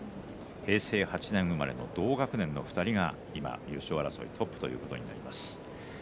平成８年生まれの同学年の２人が優勝争いトップということになります。